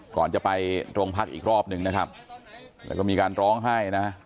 ก่อนจะไปโรงพักอีกรอบหนึ่งนะครับแล้วก็มีการร้องไห้นะ